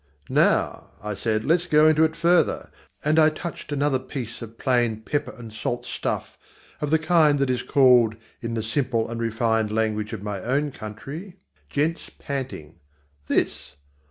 "Now," I said, "let's go into it further," and I touched another piece of plain pepper and salt stuff of the kind that is called in the simple and refined language of my own country, gents' panting. "This?"